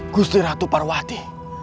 gusti ratu parwati